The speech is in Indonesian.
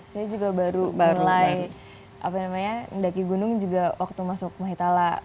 saya juga baru mulai mendaki gunung juga waktu masuk mahitala